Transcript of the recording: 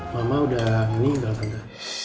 mama udah meninggal tante